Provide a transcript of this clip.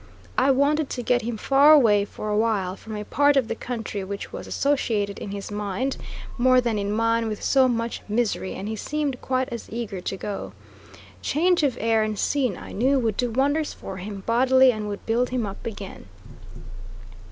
I wanted to get him far away, for awhile, from a part of the country which was associated in his mind, more than in mine, with so much misery, and he seemed quite as eager to go. Change of air and scene I knew would do wonders for him bodily, and would build him up again.